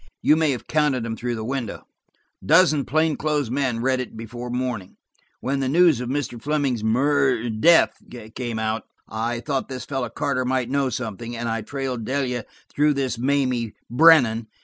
You may have counted them through the window. A dozen plain clothes men read it before morning. When the news of Mr. Fleming's mur–death came out, I thought this fellow Carter might know something, and I trailed Delia through this Mamie Brennan.